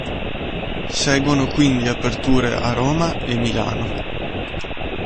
Seguono quindi aperture a Roma e Milano.